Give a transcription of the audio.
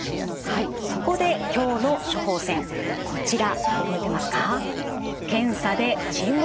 はいそこで今日の処方せんこちら覚えてますか？